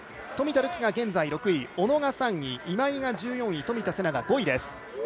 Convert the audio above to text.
冨田るきが現在６位小野が３位、今井が１４位冨田せなが５位です。